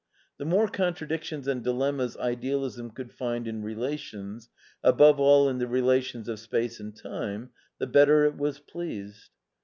The more contradictions and dilemmas Idealism could find in relations, above all in the relations of space and time, the better it was pleased.